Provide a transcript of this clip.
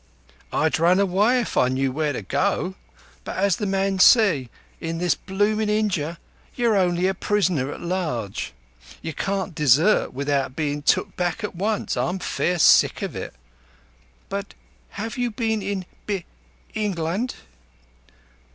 I'd run away if I knew where to go to, but, as the men say, in this bloomin' Injia you're only a prisoner at large. You can't desert without bein' took back at once. I'm fair sick of it." "You have been in Be—England?"